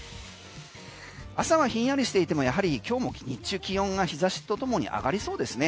朝はひんやりしていてもやはり今日も日中気温が日差しとともに上がりそうですね。